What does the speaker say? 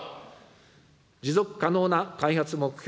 持続可能な開発目標